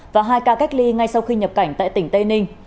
và hai ca cách ly ngay sau khi nhập cảnh tại tỉnh tây ninh